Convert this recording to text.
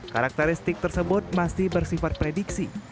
karakteristik tersebut masih bersifat prediksi